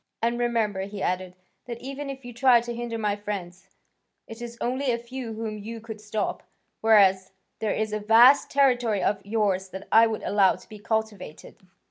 "And remember," he added, "that even if you try to hinder my friends, it is only a few whom you could stop, whereas there is a vast territory of yours that I could allow to be cultivated.